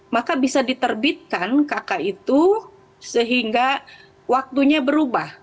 maka bisa diterbitkan kk itu sehingga waktunya berubah